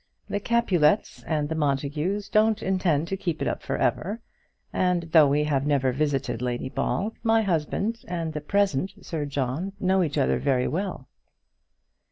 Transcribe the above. The Capulets and the Montagues don't intend to keep it up for ever; and, though we have never visited Lady Ball, my husband and the present Sir John know each other very well."